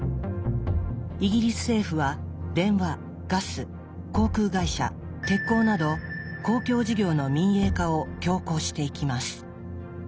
イギリス政府は電話ガス航空会社鉄鋼など公共事業の民営化を強行していきます。